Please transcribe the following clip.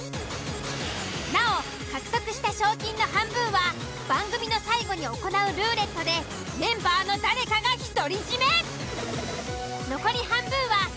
なお獲得した賞金の半分は番組の最後に行うルーレットでメンバーの誰かが独り占め。